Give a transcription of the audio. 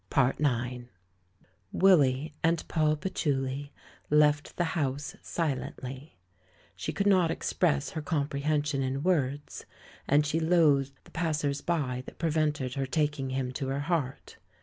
IX Willy and Poll Patchouli left the house silently. She could not express her comprehen sion in words, and she loathed the passers bj^ that prevented her taking him to her heart.